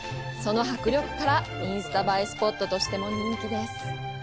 その迫力から、インスタ映えスポットとしても人気です。